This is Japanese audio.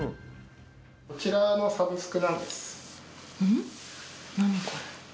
こちらのサブスクなんです。